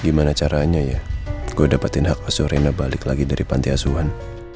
gimana caranya ya gue dapetin hak asorena balik lagi dari panti asuhan